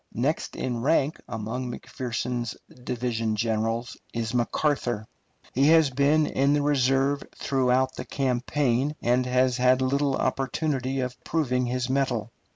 Next in rank among McPherson's division generals is McArthur. He has been in the reserve throughout the campaign, and has had little opportunity of proving his mettle.